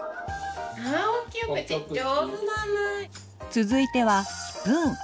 続いてはスプーン。